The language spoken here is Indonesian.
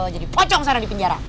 jadi pocong sana di penjara